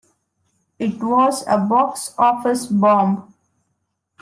It was a box office bomb.